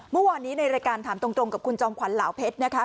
เมื่อวานนี้ในรายการถามตรงกับคุณจอมขวัญเหล่าเพชรนะคะ